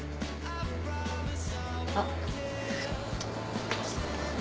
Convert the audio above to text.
あっ。